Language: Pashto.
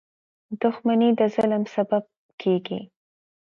• دښمني د ظلم سبب کېږي.